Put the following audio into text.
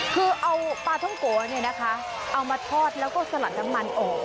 คือเอาปลาท่องโกะเนี่ยนะคะเอามาทอดแล้วก็สลัดน้ำมันออก